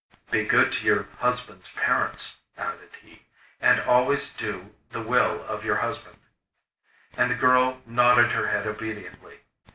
'Be good to your husband's parents,' added he, 'and always do the will of your husband.' And the girl nodded her head obediently.